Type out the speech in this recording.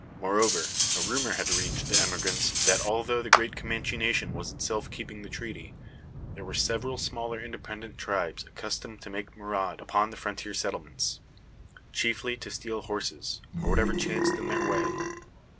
Moreover, a rumour had reached the emigrants that, although the great Comanche nation was itself keeping the treaty, there were several smaller independent tribes accustomed to make "maraud" upon the frontier settlements, chiefly to steal horses, or whatever chanced in their way.